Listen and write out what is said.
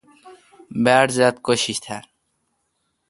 باڑ ذات کوشش تھال۔